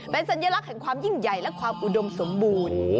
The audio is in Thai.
เป็นสัญลักษณ์แห่งความยิ่งใหญ่และความอุดมสมบูรณ์